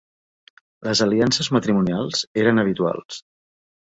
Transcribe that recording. Les aliances matrimonials eren habituals.